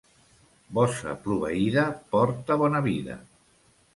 Bossa proveïda porta bona vida.